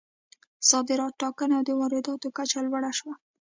صادرات ټکني او د وارداتو کچه لوړه شوه.